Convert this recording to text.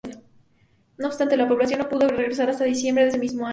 No obstante la población no pudo regresar hasta diciembre de ese mismo año.